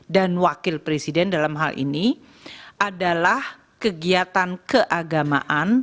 dan wakil presiden dalam hal ini adalah kegiatan keagamaan